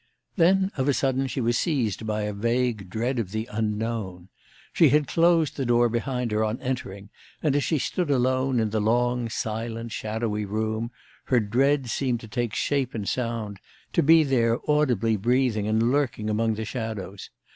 Then of a sudden she was seized by a vague dread of the unknown. She had closed the door behind her on entering, and as she stood alone in the long, silent, shadowy room, her dread seemed to take shape and sound, to be there audibly breathing and lurking among the shadows.